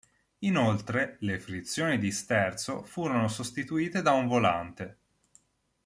Inoltre, le frizioni di sterzo furono sostituite da un volante.